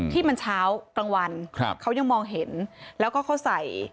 ที่มันเช้ากลางวันครับเขายังมองเห็นแล้วก็เขาใส่